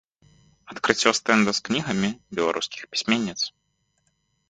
Адкрыццё стэнда з кнігамі беларускіх пісьменніц.